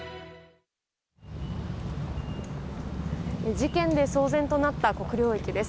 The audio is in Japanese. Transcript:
事件で騒然となった国領駅です。